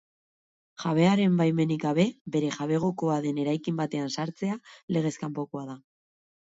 Jabearen baimenik gabe bere jabegokoa den eraikin batean sartzea legez kanpokoa da.